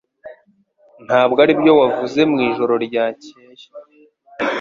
Ntabwo aribyo wavuze mwijoro ryakeye